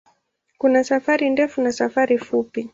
Kuna safari ndefu na safari fupi.